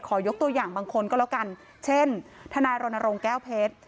ยกตัวอย่างบางคนก็แล้วกันเช่นทนายรณรงค์แก้วเพชร